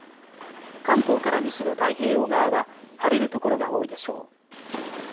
関東から西の太平洋側は晴れる所が多いでしょう。